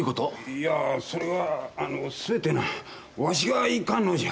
いやそれはあのーすべてワシがいかんのじゃ。